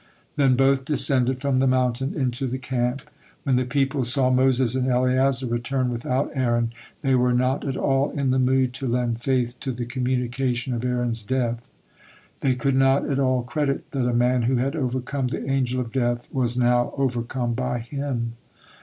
Then both descended from the mountain into the camp. When the people saw Moses and Eleazar return without Aaron, they were not at all in the mood to lend faith to the communication of Aaron's death. They could not at all credit that a man who had overcome the Angel of Death was now overcome by him.